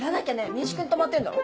民宿に泊まってんだろ？